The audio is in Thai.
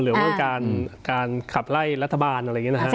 หรือว่าการขับไล่รัฐบาลอะไรอย่างนี้นะฮะ